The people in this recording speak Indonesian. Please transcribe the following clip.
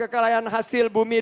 kekayaan sumber daya